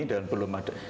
dan belum ada